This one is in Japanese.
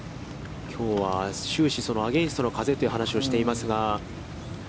きょうは終始、アゲインストの風という話をしていますが。